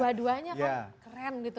dua duanya kok keren gitu ya